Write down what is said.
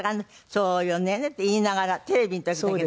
「そうよね」って言いながらテレビの時だけど。